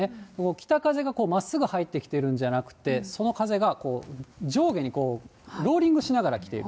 北風がまっすぐ入ってきてるんじゃなくて、その風がこう、上下にこう、ローリングしながら来ている。